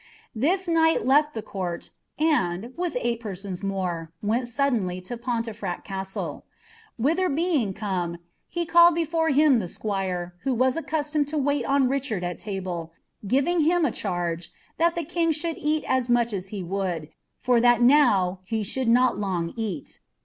This knight left thn ind, with eight persona more, went suddenly to Fontefract Castle ; t being come, he called before him the squire, who w'as Bccns* Id wait on Kichard at table, giving him a charge ' that the king IS mnch as he would,' for that now he should not long eat.